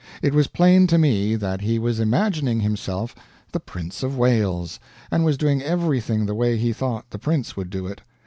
It was plain to me that he was imagining himself the Prince of Wales, and was doing everything the way he thought the Prince would do it.